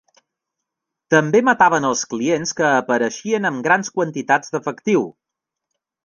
També mataven els clients que apareixien amb grans quantitats d'efectiu.